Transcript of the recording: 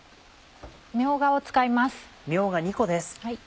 みょうがを使います。